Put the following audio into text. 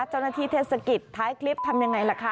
เจ้าหน้าที่เทศกิตท้ายคลิปทำอย่างไรล่ะคะ